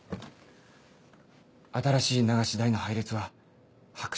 新しい流し台の配列は白紙に戻せ。